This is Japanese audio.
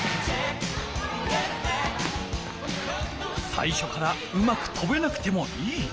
さいしょからうまくとべなくてもいい。